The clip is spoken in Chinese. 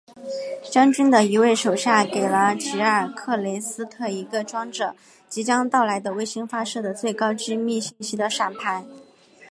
将军的一位手下给了吉尔克雷斯特一个装着即将到来的卫星发射的最高机密信息的闪盘。